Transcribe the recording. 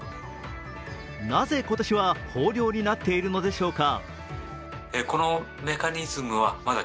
なぜ今年は豊漁になっているのでしょうか。